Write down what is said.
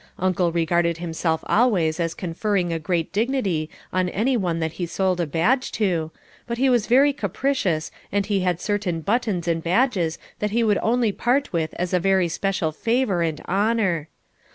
Uncle regarded himself always as conferring a great dignity on any one that he sold a badge to, but he was very capricious and he had certain buttons and badges that he would only part with as a very special favour and honour.